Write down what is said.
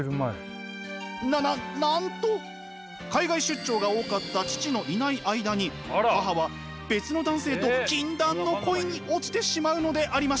なななんと海外出張が多かった父のいない間に母は別の男性と禁断の恋に落ちてしまうのでありました。